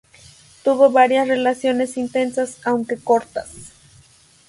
Tuvo varias relaciones intensas, aunque cortas.